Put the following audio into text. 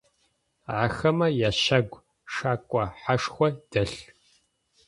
Ахэмэ ящагу шэкӏо хьэшхо дэлъ.